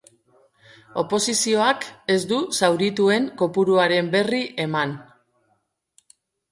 Oposizioak ez du zaurituen kopuruaren berri eman.